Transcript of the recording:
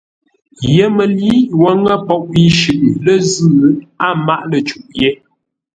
YƏMƏLǏ wo ŋə́ poʼ yi shʉʼʉ lə́ zʉ́, a máʼ lə̂ cûʼ yé.